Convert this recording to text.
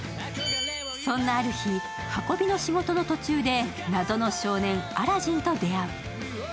そんなある日、運びの仕事の途中で、謎の少年、アラジンと出会う。